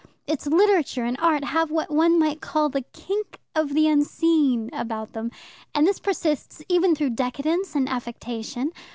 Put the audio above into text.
Its Literature and Art have what one might call the kink of the unseen about them, and this persists even through decadence and affectation.